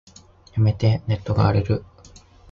やめて、ネットが荒れる。